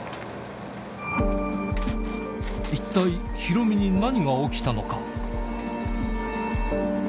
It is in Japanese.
一体、ヒロミに何が起きたのか。